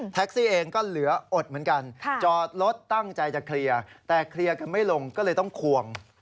ซี่เองก็เหลืออดเหมือนกันจอดรถตั้งใจจะเคลียร์แต่เคลียร์กันไม่ลงก็เลยต้องควง